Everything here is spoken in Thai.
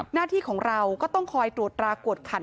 หน้าที่ของเราก็ต้องคอยตรวจตรากวดขัน